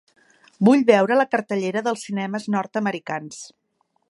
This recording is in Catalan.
Vull veure la cartellera dels cinemes nord-americans